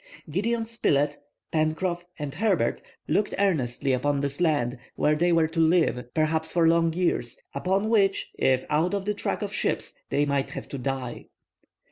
Gideon Spilett, Pencroff, and Herbert looked earnestly upon this land where they were to live, perhaps for long years; upon which, if out of the track of ships, they might have to die.